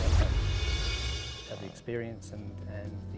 ya ada banyak keberhatiin yang terjadi